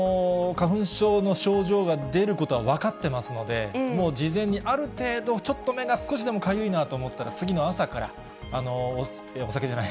花粉症の症状が出ることは分かってますので、もう事前にある程度、ちょっと目が少しでもかゆいなと思ったら、お酒？